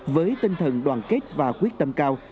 với tinh thần đoàn kết và quyết tâm cao